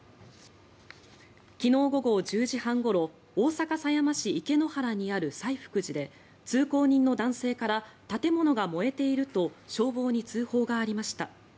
昨日午後１０時半ごろ大阪狭山市池之原にある西福寺で通行人の男性から建物が燃えていると消防に通報がありました。